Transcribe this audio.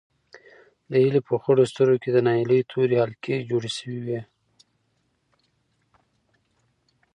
د هیلې په خړو سترګو کې د ناهیلۍ تورې حلقې جوړې شوې وې.